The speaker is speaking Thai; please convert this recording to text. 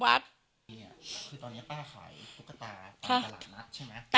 คือตอนนี้ป้าขายตุ๊กตา